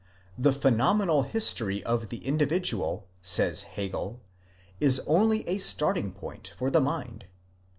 The pheno menal history of the individual, says Hegel, is only a starting point for the mind.